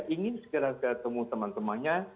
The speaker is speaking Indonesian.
ingin segera ketemu teman temannya